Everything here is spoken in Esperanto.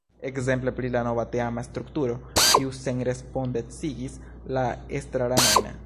Ekzemple pri la nova teama strukturo, kiu senrespondecigis la estraranojn.